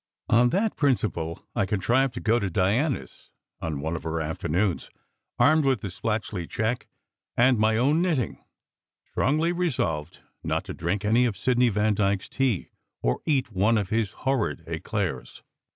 On that principle I contrived to go to Diana s on one of her "afternoons," armed with the Splatchley cheque and my own knitting, strongly resolved not to drink any of Sidney Vandyke s tea or eat one of his horrid eclairs.